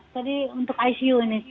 jadi untuk icu ini